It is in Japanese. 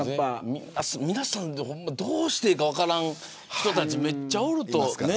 皆さん、どうしたらええか分からない人たちめっちゃおると思う。